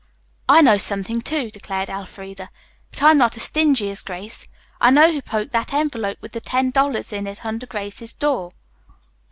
"I know something, too," declared Elfreda, "but I'm not as stingy as Grace. I know who poked that envelope with the ten dollars in it under Grace's door."